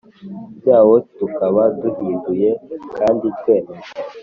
byawo tukaba duhinduye kandi twemeje